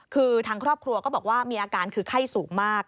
คือทางครอบครัวก็บอกว่ามีอาการคือไข้สูงมาก